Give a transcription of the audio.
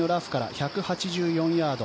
１８４ヤード。